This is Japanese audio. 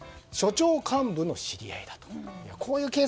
署長幹部の知り合いだという。